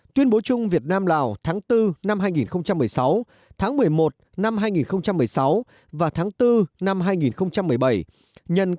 tuyên bố chung việt nam lào tháng bốn năm hai nghìn một mươi sáu tháng một mươi một năm hai nghìn một mươi sáu và tháng bốn năm hai nghìn một mươi bảy